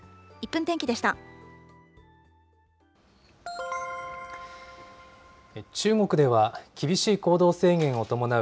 １分天気でした。